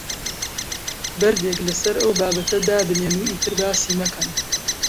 بەردێک لەسەر ئەو بابەتە دابنێن و ئیتر باسی مەکەن.